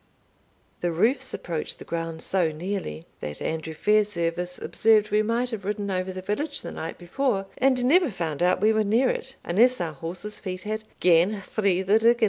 The roofs approached the ground so nearly, that Andrew Fairservice observed we might have ridden over the village the night before, and never found out we were near it, unless our horses' feet had "gane through the riggin'."